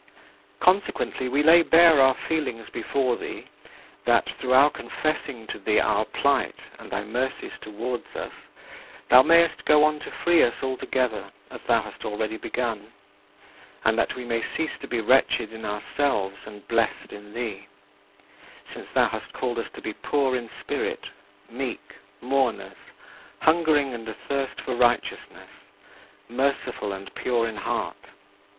" Consequently, we lay bare our feelings before thee, that, through our confessing to thee our plight and thy mercies toward us, thou mayest go on to free us altogether, as thou hast already begun; and that we may cease to be wretched in ourselves and blessed in thee since thou hast called us to be poor in spirit, meek, mourners, hungering and athirst for righteousness, merciful and pure in heart.